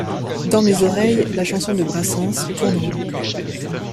Dans mes oreilles, la chanson de Brassens tourne en boucle.